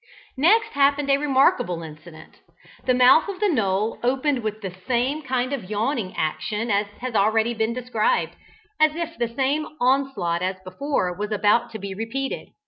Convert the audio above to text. Next happened a remarkable incident. The mouth of the knoll opened with the same kind of yawning action as has been already described, as if the same onslaught as before was about to be repeated.